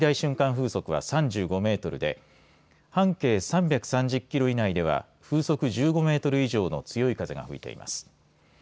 風速は３５メートルで半径３３０キロ以内では風速１５メートル以上の強い風が吹いています。